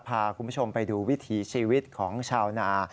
พาคุณผู้ชมไปดูวิถีชีวิตของชาวนา